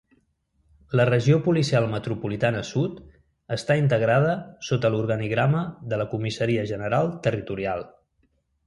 La Regió Policial Metropolitana Sud està integrada sota l'organigrama de la Comissaria General Territorial.